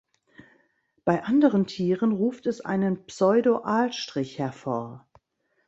Bei anderen Tieren ruft es einen Pseudo-Aalstrich hervor.